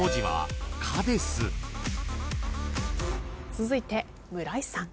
続いて村井さん。